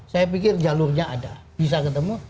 saya pikir jalurnya ada bisa ketemu